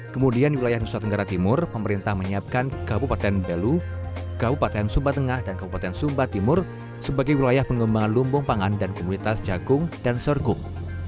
kemudian di wilayah nusa tenggara timur pemerintah menyiapkan kabupaten belu kabupaten sumba tengah dan kabupaten sumba timur sebagai wilayah pengembangan lumbung pangan dan komunitas jagung dan sorghum